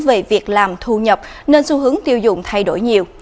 về việc làm thu nhập nên xu hướng tiêu dùng thay đổi nhiều